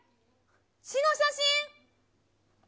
血の写真。